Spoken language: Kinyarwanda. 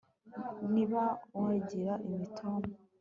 niba wagira imitoma